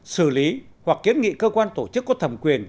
xử lý hoặc kiến nghị cơ quan tổ chức có thẩm quyền